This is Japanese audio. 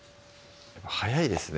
速いですね